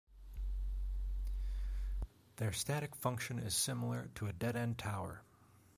Their static function is similar to a dead-end tower.